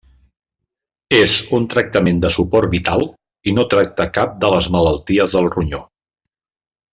És un tractament de suport vital i no tracta cap de les malalties del ronyó.